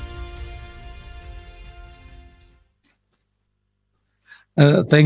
terima kasih bu iman